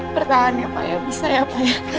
bertahan ya pak ya bisa ya pak ya